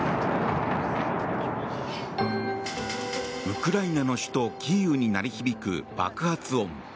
ウクライナの首都キーウに鳴り響く爆発音。